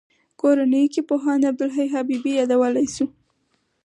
کورنیو کې پوهاند عبدالحی حبیبي یادولای شو.